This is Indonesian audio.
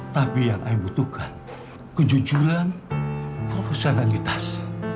tapi yang aku butuhkan kejujuran dan personalitas